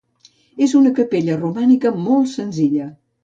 És una capella romànica molt senzilla.